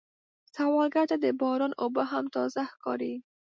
سوالګر ته د باران اوبه هم تازه ښکاري